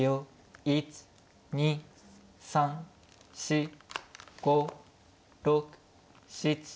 １２３４５６７。